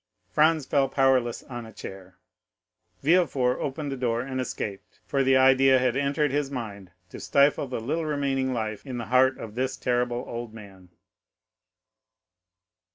Franz fell powerless on a chair; Villefort opened the door and escaped, for the idea had entered his mind to stifle the little remaining life in the heart of this terrible old man.